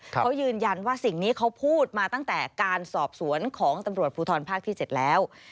เขายืนยันว่าสิ่งนี้เขาพูดมาตั้งแต่การสอบสวนของตำรวจภูทรภาคที่๗แล้ว